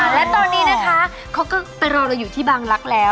และตอนนี้นะคะเขาก็ไปรอเราอยู่ที่บางลักษณ์แล้ว